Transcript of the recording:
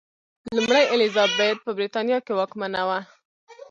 لومړۍ الیزابت په برېټانیا کې واکمنه وه.